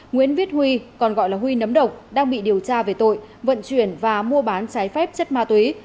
nguyễn viết huy còn gọi là huy nấm độc đang bị điều tra về tội vận chuyển và mua bán trái phép chất ma túy